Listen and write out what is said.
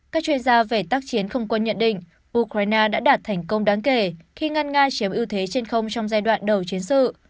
các chuyên gia về tác chiến không quân nhận định ukraine đã đạt thành công đáng kể khi nga chiếm ưu thế trên không trong giai đoạn đầu chiến sự